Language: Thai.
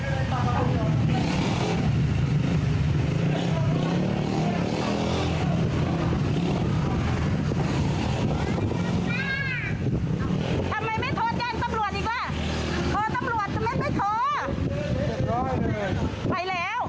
ไปแล้วก็นี่มันเพิ่งไปเอามุกเผื่อนมากันใหม่ไง